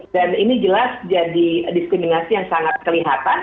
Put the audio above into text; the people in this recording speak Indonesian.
dan ini jelas jadi diskriminasi yang sangat kelihatan